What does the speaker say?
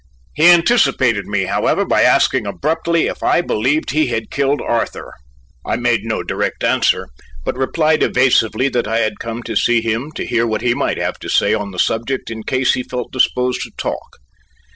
He anticipated me, however, by asking abruptly if I believed he had killed Arthur. I made no direct answer, but replied evasively that I had come to see him to hear what he might have to say on the subject in case he felt disposed to talk.